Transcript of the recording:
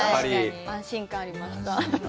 安心感がありました。